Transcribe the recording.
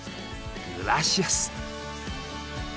グラシアス！